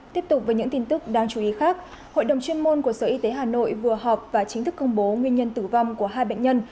tiếp tục với những tin tức đáng chú ý khác hội đồng chuyên môn của sở y tế hà nội vừa họp và chính thức công bố nguyên nhân tử vong của hai bệnh nhân